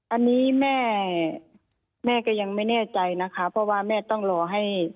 อันนี้แม่แม่ก็ยังไม่แน่ใจนะคะเพราะว่าแม่ต้องรอให้